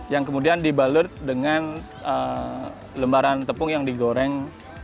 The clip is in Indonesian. yang kemudian dibalut dengan lembaran tepung yang digoreng